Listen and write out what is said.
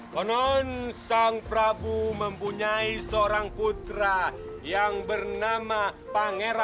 konon sang prabu mempunyai seorang putra yang bernama pangeran